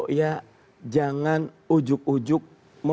kandungan teman setengah itu